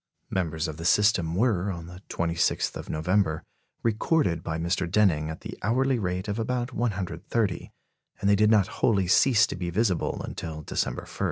Members of the system were, on the 26th of November, recorded by Mr. Denning at the hourly rate of about 130; and they did not wholly cease to be visible until December 1.